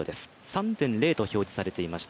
３．０と表示されていました。